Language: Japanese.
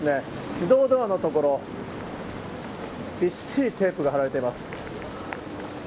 自動ドアの所、びっしりテープが貼られています。